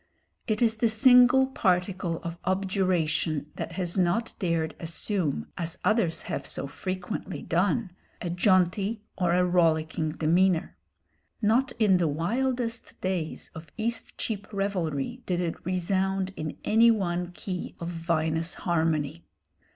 It is the single particle of objuration that has not dared assume, as others have so frequently done, a jaunty or a rollicking demeanour. Not in the wildest days of Eastcheap revelry did it resound in any one key of vinous harmony.